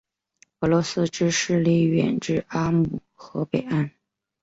俄罗斯之势力远至阿姆河北岸。